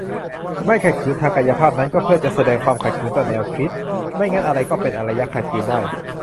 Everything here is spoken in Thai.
การไม่ขัดขืนทางกายภาพนั้น ก็เพื่อจะแสดงความขัดขืนต่อแนวคิด - ไม่งั้นอะไรก็เป็น "อารยะขัดขืน" ได้